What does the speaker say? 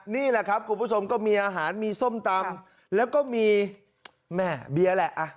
นี่แหละครับคุณผู้ชมก็มีอาหารมีส้มตำแล้วก็มีแม่เบียร์แหละ